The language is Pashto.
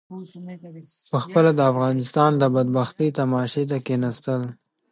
پخپله د افغانستان د بدبختۍ تماشې ته کېنستل.